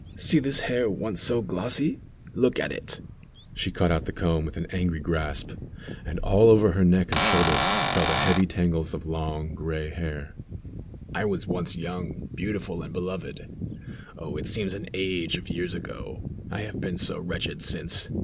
See this hair once so glossy look at it." She caught out the comb with an angry grasp, and all over her neck and shoulders fell the heavy tangles of long, gray hair. "I was young, beautiful, and beloved. Oh, it seems an age of years ago! I have been so wretched since.